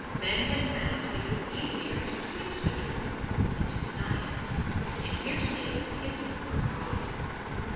Men had found that it was easier to twist the truth than to deny it, and heresy and schism were abroad.